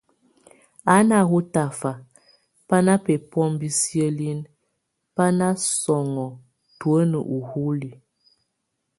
A nahɔ tafa, bá na bebombo sielin, bá na sɔŋɔ tuen uhúli.